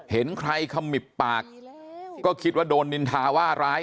เห็นใครขมิบปากก็คิดว่าโดนนินทาว่าร้าย